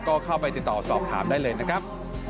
ก็เข้าไปติดต่อสอบถามได้เลยนะครับ